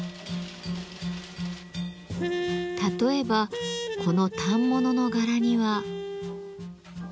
例えばこの反物の柄には。